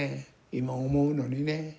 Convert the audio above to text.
今思うのにね。